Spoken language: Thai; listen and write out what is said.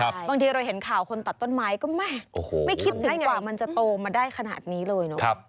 บางทีเราเห็นข่าวคนตัดต้นไม้ก็ไม่คิดถึงกว่ามันจะโตมาได้ขนาดนี้เลยเนอะ